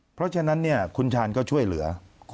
เพราะฉะนั้นคุณชาญก็ช่วยเหลือ